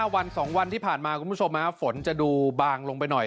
วัน๒วันที่ผ่านมาคุณผู้ชมฝนจะดูบางลงไปหน่อย